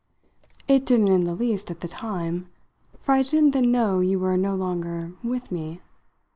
"It didn't in the least at the time, for I didn't then know you were no longer 'with' me.